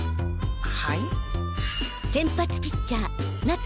はい？